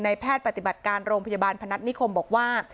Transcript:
แพทย์ปฏิบัติการโรงพยาบาลพนัฐนิคมบอกว่า